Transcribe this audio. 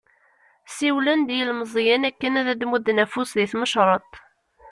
Siwlen-d i yilmeẓyen akken ad d-mudden afus di tmecreḍt.